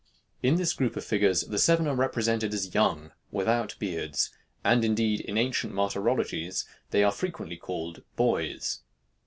In this group of figures, the seven are represented as young, without beards, and indeed in ancient martyrologies they are frequently called boys.